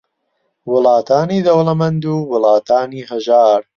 وڵاتانی دەوڵەمەند و وڵاتانی ھەژار